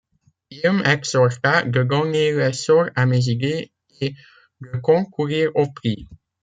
Il m’exhorta de donner l’essor à mes idées, et de concourir au prix.